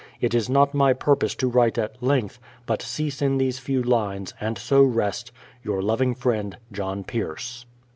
It is not my purpose to write at length, but cease in these few lines, and so rest, Your loving friend, JOHN PIERCE.